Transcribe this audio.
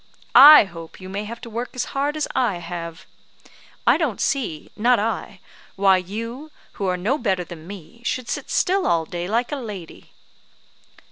I hope you may have to work as hard as I have. I don't see, not I, why you, who are no better than me, should sit still all day, like a lady!"